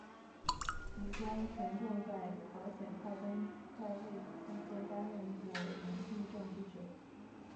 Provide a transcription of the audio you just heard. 其中权仲和在朝鲜太宗在位期间担任过领议政之职。